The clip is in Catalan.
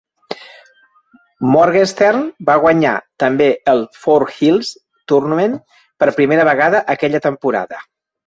Morgenstern va guanyar també el Four Hills Tournament per primera vegada aquella temporada.